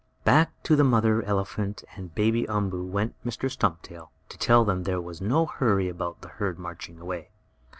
Back to the mother elephant and Baby Umboo went Mr. Stumptail, to tell them there was no hurry about the herd marching away.